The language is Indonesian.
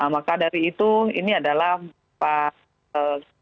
maka dari itu ini adalah pak